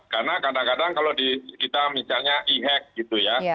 karena kadang kadang kalau kita misalnya e hack gitu ya